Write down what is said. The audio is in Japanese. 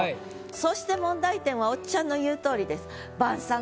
そして問題点はおっちゃんの言う通りです。